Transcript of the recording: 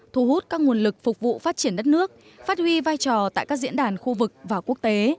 thu hút các nguồn lực phục vụ phát triển đất nước phát huy vai trò tại các diễn đàn khu vực và quốc tế